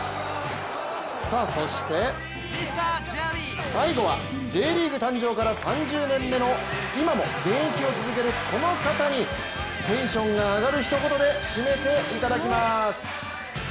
そして最後はＪリーグ誕生から３０年目の今も現役を続ける、この方にテンションが上がるひと言で締めていただきます。